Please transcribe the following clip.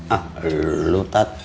ah lu tat